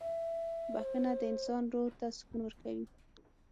• بخښنه د انسان روح ته سکون ورکوي.